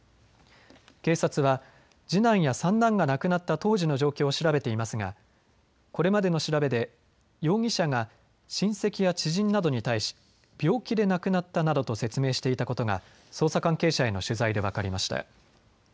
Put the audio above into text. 警察は次男や三男が亡くなった当時の状況を調べていますがこれまでの調べで容疑者が親戚や知人などに対し病気で亡くなったなどと説明していたことが捜査関係者への取材で分かりました。